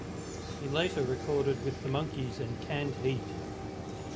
He later recorded with the Monkees and Canned Heat.